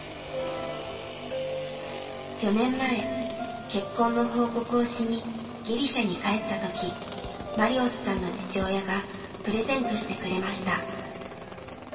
４年前結婚の報告をしにギリシャに帰った時マリオスさんの父親がプレゼントしてくれました。